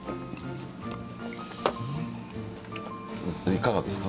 いかがですか？